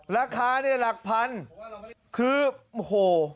ราคาเนี่ยหลักพันคือโอ้โห